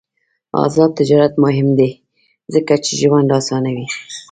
آزاد تجارت مهم دی ځکه چې ژوند اسانوي.